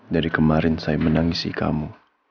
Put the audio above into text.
dari kemarin saya menangisi kamu